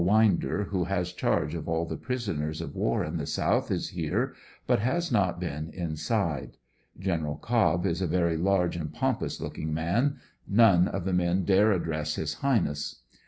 Winder, who has charge of all the prisoners of war in the South, is here, but has not been inside. Gen. Cobb is a very large and pompous looking n.an. None of the men dare address his highness.